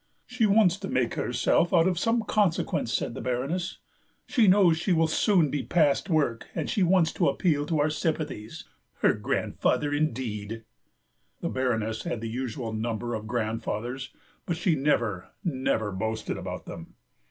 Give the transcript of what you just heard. "She wants to make herself out of some consequence," said the Baroness; "she knows she will soon be past work and she wants to appeal to our sympathies. Her grandfather, indeed!" The Baroness had the usual number of grandfathers, but she never, never boasted about them.